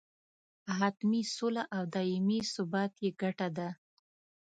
حتمي سوله او دایمي ثبات یې ګټه ده.